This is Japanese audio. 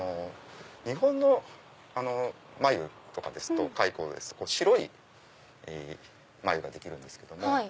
日本の繭とかですと蚕ですと白い繭ができるんですけども。